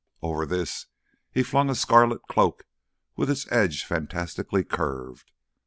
Over this he flung a scarlet cloak with its edge fantastically curved.